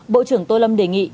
bộ trưởng tô lâm đề nghị